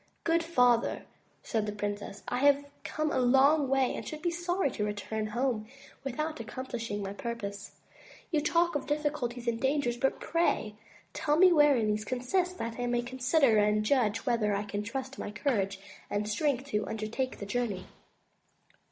"Good father," said the princess, I have come a long way and should be sorry to return home without accomplishing my purpose. You talk of difficulties and dangers, but pray tell me wherein these consist, that I may consider and judge whether I can trust my courage and strength to undertake the journey."